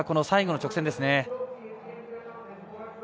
最後の直線ですね。